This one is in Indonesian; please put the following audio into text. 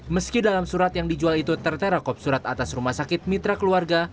meski dalam surat yang dijual itu tertera kop surat atas rumah sakit mitra keluarga